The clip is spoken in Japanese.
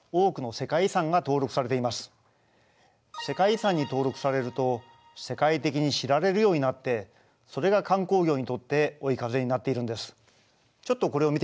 世界遺産に登録されると世界的に知られるようになってそれが観光業にとって追い風になっているんです。